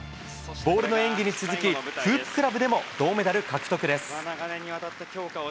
ボールの演技に続き、フープ・クラブでも銅メダル獲得です。